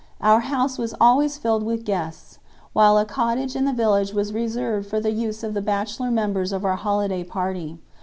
Our house was always filled with guests, while a cottage in the village was reserved for the use of the bachelor members of our holiday party.